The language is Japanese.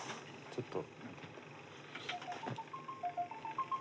ちょっと。